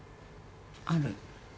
ある。